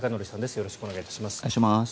よろしくお願いします。